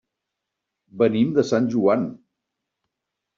Venim de Sant Joan.